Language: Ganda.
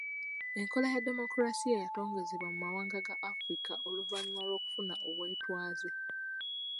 Enkola ya demokolasiya yatongozebwa mu mawanga ga Afirika oluvannyuma lw’okufuna obwetwaze.